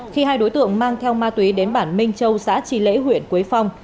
khi hai đối tượng mang theo ma túy đến bản minh châu xã tri lễ huyện quế phong